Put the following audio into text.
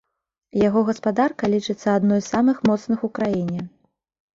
Яго гаспадарка лічыцца адной з самых моцных у краіне.